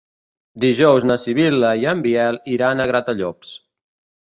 Dijous na Sibil·la i en Biel iran a Gratallops.